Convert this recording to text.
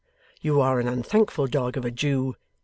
You are an unthankful dog of a Jew.